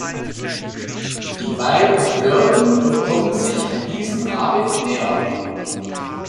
Die beiden flirten und kommen sich an diesem Abend näher.